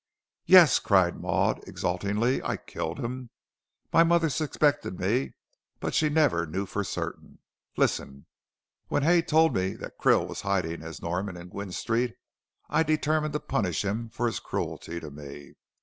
"Yes," cried Maud, exultingly, "I killed him. My mother suspected me, but she never knew for certain. Listen. When Hay told me that Krill was hiding as Norman in Gwynne Street I determined to punish him for his cruelty to me.